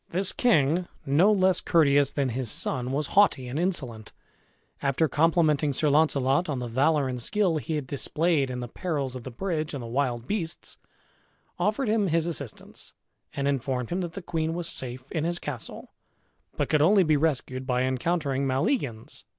This king, no less courteous than his son was haughty and insolent, after complimenting Sir Launcelot on the valor and skill he had displayed in the perils of the bridge and the wild beasts, offered him his assistance, and informed him that the queen was safe in his castle, but could only be rescued by encountering Maleagans.